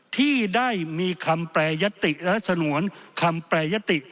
ที่ได้มีคำแปรยติและสนวนคำแปรยติ